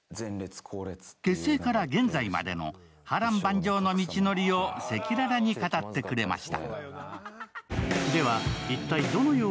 結成から現在までの波瀾万丈の道のりを赤裸々に語ってくれました。